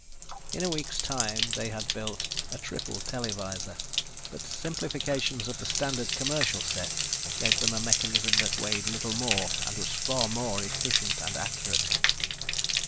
In a week's time they had built a triple televisor, but simplifications of the standard commercial set gave them a mechanism that weighed little more and was far more efficient and accurate.